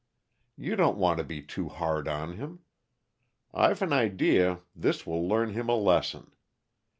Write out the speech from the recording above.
You don't want to be too hard on him. I've an idea this will learn him a lesson.